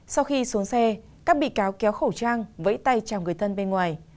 sau khi xuống xe các bị cáo kéo khẩu trang với tay chào người thân bên ngoài